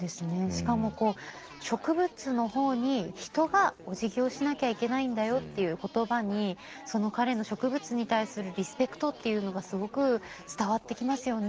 しかもこう植物の方に人がおじぎをしなきゃいけないんだよっていう言葉にその彼の植物に対するリスペクトっていうのがすごく伝わってきますよね。